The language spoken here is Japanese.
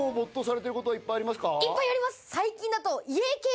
いっぱいあります！